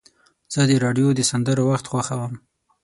زه د راډیو د سندرو وخت خوښوم.